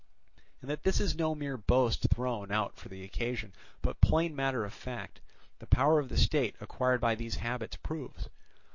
And that this is no mere boast thrown out for the occasion, but plain matter of fact, the power of the state acquired by these habits proves.